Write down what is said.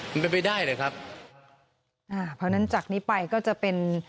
ไม่ไปได้เลยครับอ่าเพราะฉะนั้นจากนี้ไปก็จะเป็น